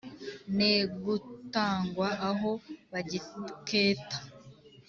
Negutangwa aho bagiketa.